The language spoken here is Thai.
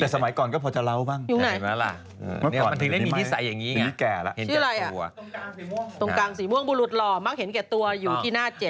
แต่สมัยก่อนก็พอจะเล่าบ้างมันถึงได้มีนิสัยอย่างนี้ไงตรงกลางสีม่วงบุรุษหล่อมักเห็นแก่ตัวอยู่ที่หน้าเจ็ด